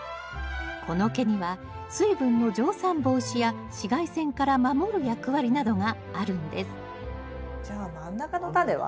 この毛には水分の蒸散防止や紫外線から守る役割などがあるんですじゃあ真ん中のタネは？